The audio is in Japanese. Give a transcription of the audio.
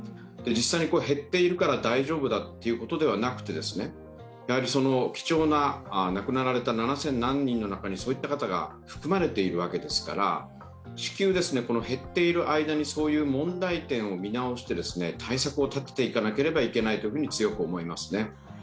実際に減っているから大丈夫だということではなくて、やはり貴重な、亡くなられた７０００何人の中にそういった方が含まれているわけですから至急、減っている間にそういう問題点を見直して対策を立ててていかなければいけないというふうに強く思いますね。